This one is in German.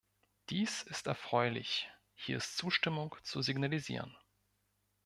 Dies ist erfreulich, hier ist Zustimmung zu signalisieren.